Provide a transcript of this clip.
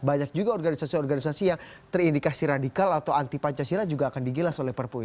banyak juga organisasi organisasi yang terindikasi radikal atau anti pancasila juga akan digilas oleh perpu ini